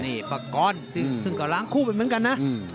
นี่ปากรซึ่งก็ล้างคู่ไปเหมือนกันนะ